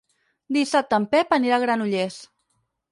Dissabte en Pep anirà a Granollers.